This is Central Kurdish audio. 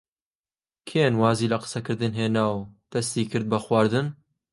کێن وازی لە قسەکردن هێنا و دەستی کرد بە خواردن.